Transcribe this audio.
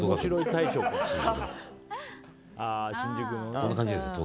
こんな感じですよね。